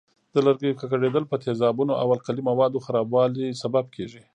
د لرګیو ککړېدل په تیزابونو او القلي موادو خرابوالي سبب کېږي.